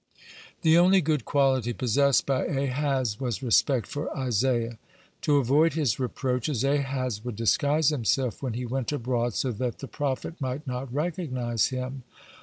(41) The only good quality possessed by Ahaz was respect for Isaiah. (42) To avoid his reproaches, Ahaz would disguise himself when he went abroad, so that the prophet might not recognize him.